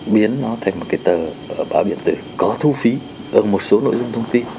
biến nó thành một cái tờ báo điện tử có thu phí ở một số nội dung thông tin